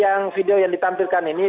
yang video yang ditampilkan ini